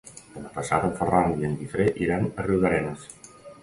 Demà passat en Ferran i en Guifré iran a Riudarenes.